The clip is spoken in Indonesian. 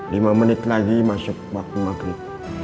lima menit lagi masuk waktu maghrib